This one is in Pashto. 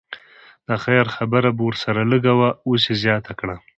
د خیر خبره به ورسره لږه وه اوس یې زیاته کړه.